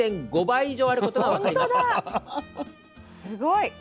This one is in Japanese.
すごい。